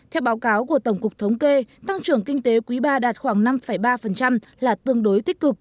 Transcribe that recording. theo báo cáo của tổng cục thống kê tăng trưởng kinh tế quý ba đạt khoảng năm ba là tương đối tích cực